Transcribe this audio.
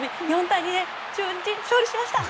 ４対２で中日、勝利しました。